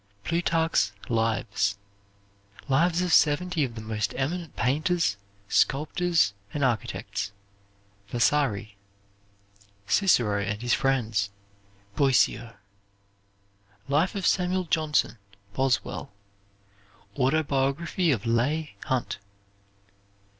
Plutarch's "Lives." "Lives of Seventy of the Most Eminent Painters, Sculptors and Architects," Vasari. "Cicero and His Friends," Boissier. "Life of Samuel Johnson," Boswell. Autobiography of Leigh Hunt.